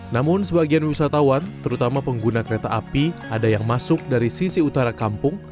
namun sebagian wisatawan terutama pengguna kereta api ada yang masuk dari sisi utara kampung